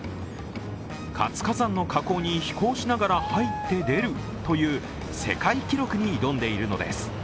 活火山の火口に飛行しながら入って出るという世界記録に挑んでいるのです。